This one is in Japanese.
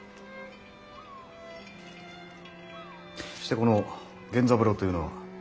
してこの源三郎というのは？